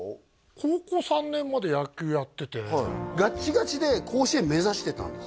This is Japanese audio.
高校３年まで野球やっててはいガチガチで甲子園目指してたんですか？